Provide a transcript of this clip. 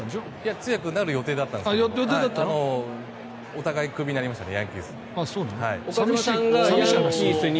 通訳になる予定だったんですけどお互いクビになりましたヤンキースを。